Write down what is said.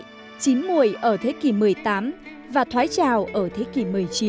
giá trị chín mùi ở thế kỷ một mươi tám và thoái trào ở thế kỷ một mươi chín